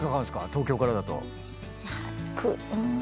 東京からだと。